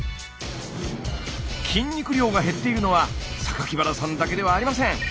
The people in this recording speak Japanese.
筋肉量が減っているのは原さんだけではありません。